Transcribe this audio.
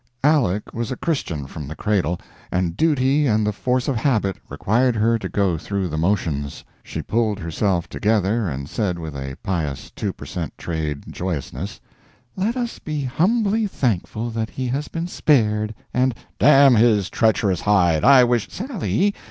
Aleck was a Christian from the cradle, and duty and the force of habit required her to go through the motions. She pulled herself together and said, with a pious two per cent. trade joyousness: "Let us be humbly thankful that he has been spared; and " "Damn his treacherous hide, I wish " "Sally!